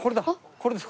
これです。